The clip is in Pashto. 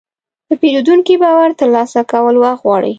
د پیرودونکي باور ترلاسه کول وخت غواړي.